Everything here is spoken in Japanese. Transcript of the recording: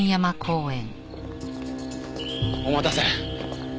お待たせ。